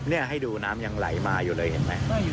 นี่ให้ดูน้ำยังไหลมาอยู่เลยเห็นไหม